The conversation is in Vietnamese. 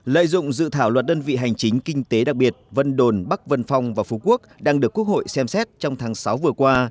lợi dụng dự thảo luật đơn vị hành chính kinh tế đặc biệt vân đồn bắc vân phong và phú quốc đang được quốc hội xem xét trong tháng sáu vừa qua